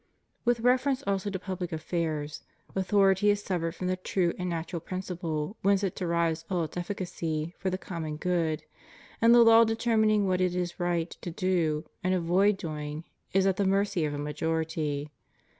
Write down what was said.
With reference also to public affairs: authority is severed from the true and natural principle whence it derives all its efficacy for the common good; and the law determin ing what it is right to do and avoid doing is at the mercy of a majority.